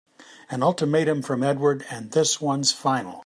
An ultimatum from Edward and this one's final!